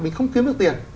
mình không kiếm được tiền